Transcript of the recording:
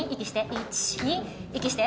１２息して。